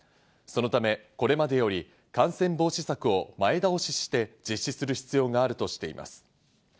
そのため、これまでより感染防止対策を前倒しして実施する必要があるとしています。